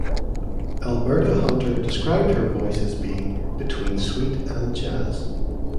Alberta Hunter described her voice as being "between sweet and jazz".